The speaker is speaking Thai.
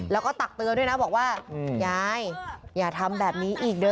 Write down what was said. แล้วก็ตักเตือนด้วยนะบอกว่ายายอย่าทำแบบนี้อีกเด้อ